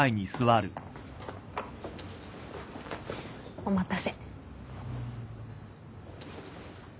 お待たせ。